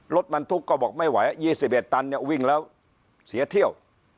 รถบรรทุกก็บอกไม่ไหวยี่สิบเอ็ดตันเนี่ยวิ่งแล้วเสียเที่ยว